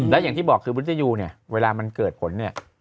และอย่างที่บอกคือพุทธยูเนี่ยเวลามันเกิดผลเนี่ย